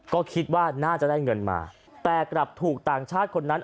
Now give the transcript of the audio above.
ก็คิดว่าน่าจะได้เงินมาแต่กลับถูกต่างชาติคนนั้น